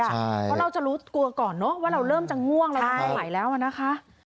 เพราะเราจะรู้ตัวก่อนเนอะว่าเราเริ่มจะง่วงเราจะไม่ไหวแล้วนะคะ